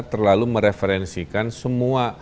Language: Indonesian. terlalu mereferensikan semua